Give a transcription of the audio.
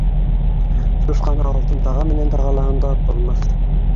Сусҡаны алтын даға менән дағалаһаң да ат булмаҫ.